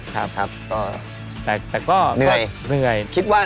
แต่ก็เหนื่อย